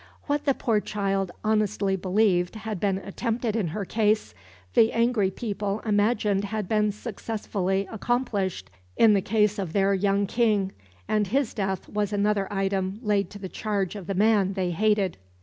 What the poor child honestly believed had been attempted in her case, the angry people imagined had been successfully accomplished in the case of their young King, and his death was another item laid to the charge of the man they hated.